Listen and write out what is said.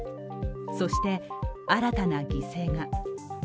そして、新たな犠牲が。